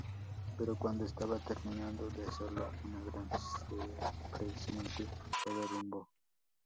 Pero cuando estaba terminando de hacerlo una gran creciente lo derrumbó.